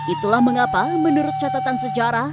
itulah mengapa menurut catatan sejarah